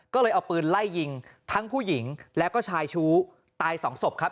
ก็เลยเอาปืนไล่ยิงทั้งผู้หญิงแล้วก็ชายชู้ตายสองศพครับ